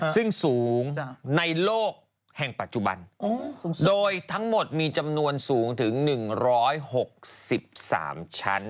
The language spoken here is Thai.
ซึ่งสูงในโลกแห่งปัจจุบันโดยทั้งหมดมีจำนวนสูงถึง๑๖๓ชั้น